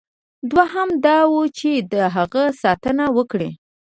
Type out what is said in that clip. دوهم دا وه چې د هغه ساتنه وکړي.